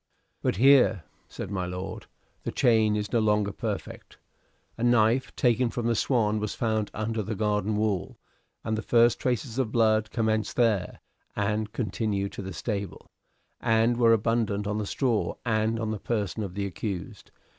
"But here," said my lord, "the chain is no longer perfect. A knife, taken from the 'Swan,' was found under the garden wall, and the first traces of blood commenced there, and continued to the stable, and were abundant on the straw and on the person of the accused.